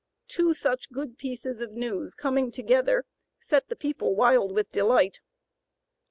Two such good pieces of news coming together set the people wild with delight.